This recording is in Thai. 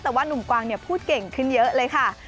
แต่ว่านุ่มกวางพูดเก่งขึ้นเยอะเลยค่ะ